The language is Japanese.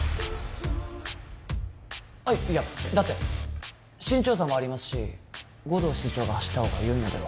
あっいやだって身長差もありますし護道室長が走った方がよいのでは？